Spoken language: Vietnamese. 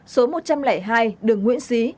số một trăm linh hai đường nguyễn xí